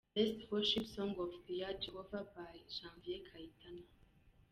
Best Worship song of the year: Jehova by Janvier Kayitana.